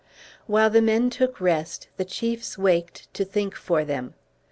While the men took rest, the chiefs waked to think for them.